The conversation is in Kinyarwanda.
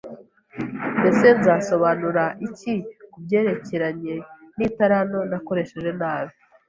Mbese nzasobanura iki ku byerekeranye n’italanto nakoresheje nabi,